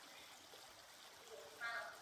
最终中国国民革命军第十八集团军获胜。